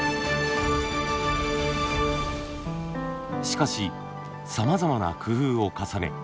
しかしさまざまな工夫を重ね